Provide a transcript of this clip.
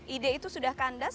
ide itu sudah kandas